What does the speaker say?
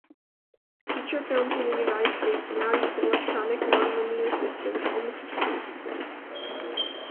Feature films in the United States now use electronic non-linear systems almost exclusively.